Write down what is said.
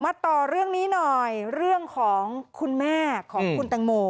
ต่อเรื่องนี้หน่อยเรื่องของคุณแม่ของคุณแตงโม